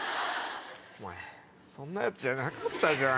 お前そんな奴じゃなかったじゃん。